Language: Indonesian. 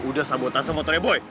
udah sabotase motornya boy